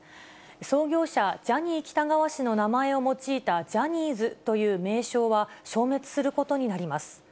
創業者、ジャニー喜多川氏の名前を用いたジャニーズという名称は、消滅することになります。